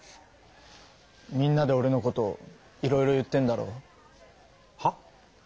みんなでオレのこといろいろ言ってんだろう。はっ？